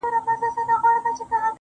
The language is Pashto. پاگل لگیا دی نن و ټول محل ته رنگ ورکوي~